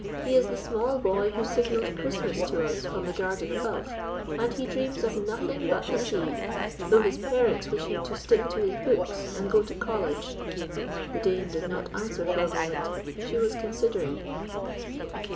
He is the small boy who signalled Christmas to us from the garden above; and he dreams of nothing but the sea, though his parents wish him to stick to his books and go to college." The Dane did not answer for a moment. She was considering.